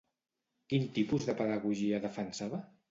Quin tipus de pedagogia defensava?